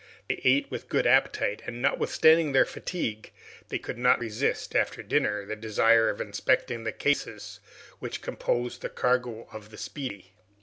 They ate with good appetite, and notwithstanding their fatigue, they could not resist, after dinner, their desire of inspecting the cases which composed the cargo of the "Speedy."